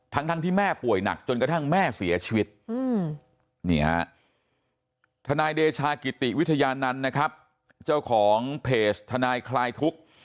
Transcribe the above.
ทั้งที่แม่ป่วยหนักจนกระทั่งแม่เสียชีวิตนี่ฮะทนายเดชากิติวิทยานันต์นะครับเจ้าของเพจทนายคลายทุกข์